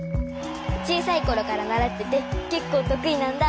ちいさいころからならっててけっこうとくいなんだ！